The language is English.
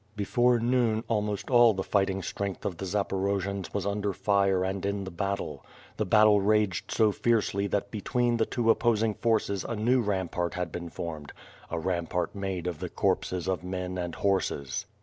Before noon almost all the fighting strength of the Zaporo jians was under fire and in the battle. The battle raged so fiercely that between the two opposing forces a new rampart had been formed, a rampart made of the corpses of men and horses.